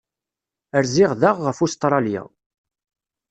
Rziɣ daɣ ɣef Ustṛalya.